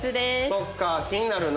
そっか気になるな。